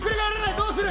どうする？